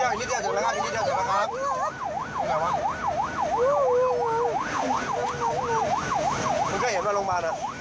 โอ๊ยนี่โรงพยาบาลไปดูนะ